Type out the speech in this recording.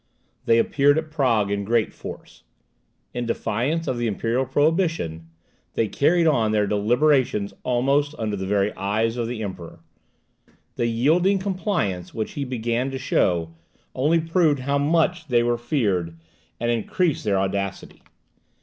They appeared at Prague in great force. In defiance of the imperial prohibition, they carried on their deliberations almost under the very eyes of the Emperor. The yielding compliance which he began to show, only proved how much they were feared, and increased their audacity.